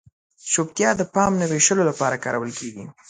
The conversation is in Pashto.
چپتیا د پام نه وېشلو لپاره کارول کیږي.